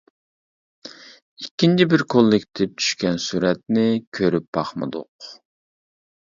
ئىككىنچى بىر كوللېكتىپ چۈشكەن سۈرەتنى كۆرۈپ باقمىدۇق.